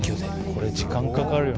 これ時間かかるよね。